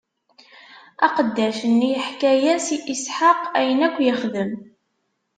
Aqeddac-nni yeḥka-yas i Isḥaq ayen akk ixdem.